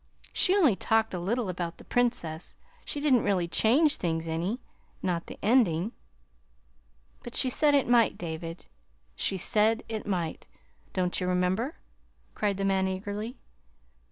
"She's only talked a little about the Princess. She didn't really change things any not the ending." "But she said it might, David she said it might! Don't you remember?" cried the man eagerly.